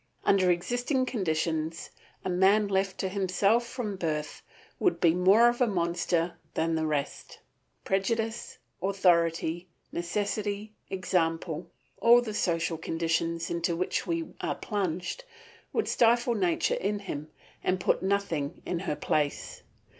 Under existing conditions a man left to himself from birth would be more of a monster than the rest. Prejudice, authority, necessity, example, all the social conditions into which we are plunged, would stifle nature in him and put nothing in her place.